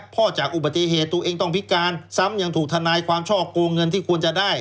เพราะจากอุบัติเหตุตัวเองต้องพิการซ้ำยังถูกทนายความช่อโกงเงินที่ควรจะได้